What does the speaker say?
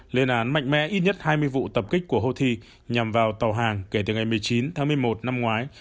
lên án mạnh mẽ ít nhất hai mươi vụ tập kích của houthi nhằm vào tàu hàng kể từ ngày một mươi chín tháng một mươi một năm ngoái